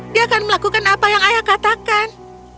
dia akan melakukan apa yang ayah katakan